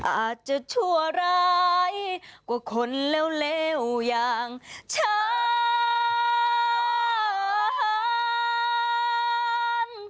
อาจจะชั่วร้ายกว่าคนเลวอย่างฉัน